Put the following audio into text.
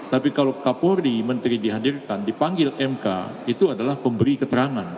tapi kalau kapolri menteri dihadirkan dipanggil mk itu adalah pemberi keterangan